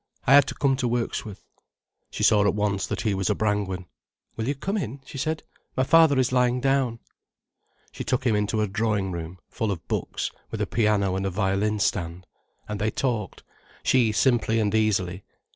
I had to come to Wirksworth." She saw at once that he was a Brangwen. "Will you come in?" she said. "My father is lying down." She took him into a drawing room, full of books, with a piano and a violin stand. And they talked, she simply and easily.